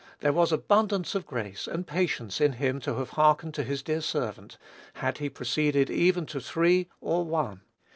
There was abundance of grace and patience in him to have hearkened to his dear servant, had he proceeded even to three or one.